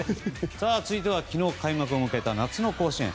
続いては昨日、開幕を迎えた夏の甲子園。